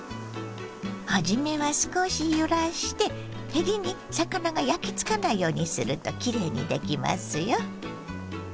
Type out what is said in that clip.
初めは少し揺らしてへりに魚が焼きつかないようにするときれいにできますよ。